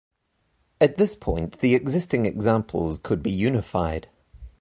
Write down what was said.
At this point the existing examples could be unified.